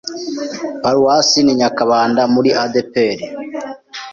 Paruwase ni Nyakabanda muri ADEPR.